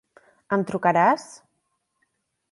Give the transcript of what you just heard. Em trucaràs?